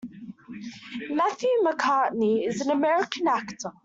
Matthew McConaughey is an American actor.